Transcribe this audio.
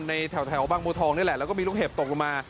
แถวบางบัวทองนี่แหละแล้วก็มีลูกเห็บตกลงมา